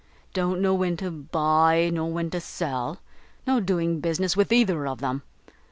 don't know when to buy nor when to sell. No doing business with either of them.